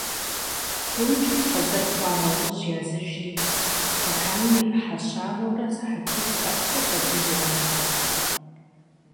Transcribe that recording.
Прунжыр хьэзыр хъуа нэужь языжри, стэканым и Ӏыхьэ щанэурэ сыхьэтитӀ къэскӀэ сабийр ирагъафэ.